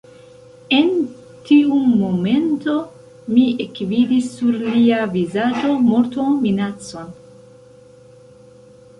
En tiu momento mi ekvidis sur lia vizaĝo mortominacon.